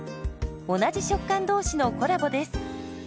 同じ食感同士のコラボです。